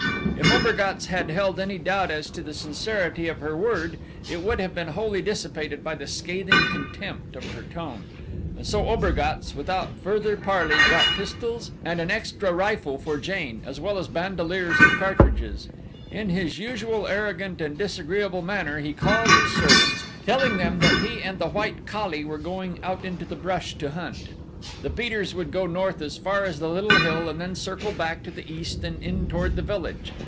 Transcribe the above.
If Obergatz had held any doubt as to the sincerity of her word it would have been wholly dissipated by the scathing contempt of her tone. And so Obergatz, without further parley, got pistols and an extra rifle for Jane, as well as bandoleers of cartridges. In his usual arrogant and disagreeable manner he called his servants, telling them that he and the white kali were going out into the brush to hunt. The beaters would go north as far as the little hill and then circle back to the east and in toward the village.